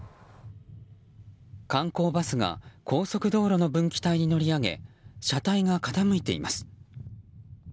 観光バスが高速道路の分岐帯に乗り上げ車体が傾いています。